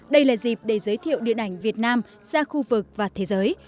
đây là dịp để giới thiệu điện ảnh việt nam ra khu vực và thế giới